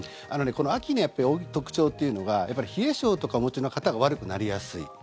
この秋の特徴というのが冷え性とかお持ちの方が悪くなりやすい。